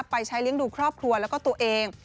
ไปใช้เลี้ยงดูครอบครัวแล้วก็ตัวเอง